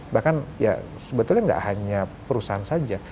bahkan ya sebetulnya nggak hanya perusahaan saja